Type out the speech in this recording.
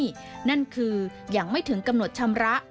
นี่นั่นคือยังไม่ถึงกำหนดชำระ